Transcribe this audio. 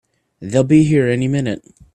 They'll be here any minute!